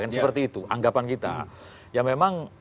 kan seperti itu anggapan kita ya memang